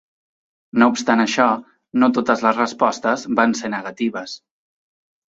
No obstant això, no totes les respostes van ser negatives.